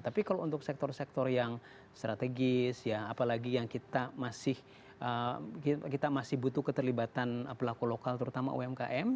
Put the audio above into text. tapi kalau untuk sektor sektor yang strategis ya apalagi yang kita masih kita masih butuh keterlibatan pelaku lokal terutama umkm